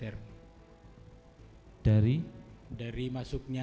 joshua kuat kamu saya sempat berhenti dulu pak di area akan ada mobil innova dua waktu itu pak terserah